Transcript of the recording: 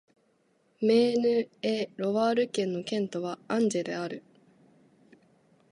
メーヌ＝エ＝ロワール県の県都はアンジェである